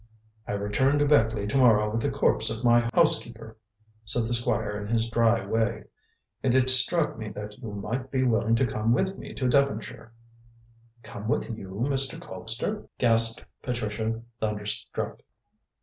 "I return to Beckleigh to morrow with the corpse of my housekeeper," said the Squire in his dry way, "and it struck me that you might be willing to come with me to Devonshire." "Come with you, Mr. Colpster?" gasped Patricia, thunderstruck.